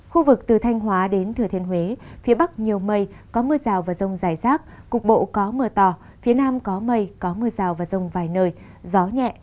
khu vực từ thanh hóa đến thừa thiên huế phía bắc nhiều mây có mưa rào và rông dài rác cục bộ có mưa to phía nam có mây có mưa rào và rông vài nơi gió nhẹ